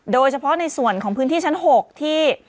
โดยเฉพาะในส่วนของพื้นที่ชั้น๖ที่